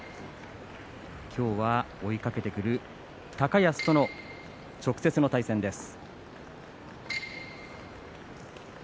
今日は追いかけてくる高安との直接の対戦です。